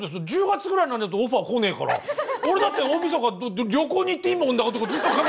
１０月ぐらいになんないとオファー来ねえから俺だって大みそか旅行に行っていいもんだかどうか。